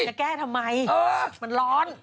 จะแก้ทำไมมันร้อน